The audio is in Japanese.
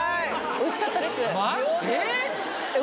おいしかったですえっ！？